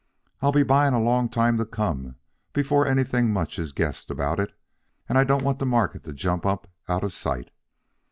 I'll be buying a long time to come before anything much is guessed about it, and I don't want the market to jump up out of sight.